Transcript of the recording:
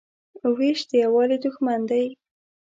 وېش د یووالي دښمن دی.